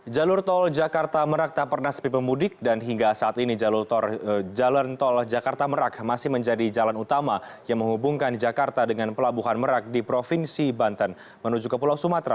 jalur tol jakarta merak tak pernah sepi pemudik dan hingga saat ini jalan tol jakarta merak masih menjadi jalan utama yang menghubungkan jakarta dengan pelabuhan merak di provinsi banten menuju ke pulau sumatera